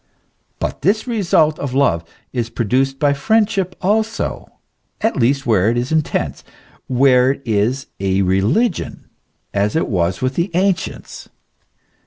But this result of love is produced by friendship also, at least where it is intense, where it is a religion, f as it was with the ancients.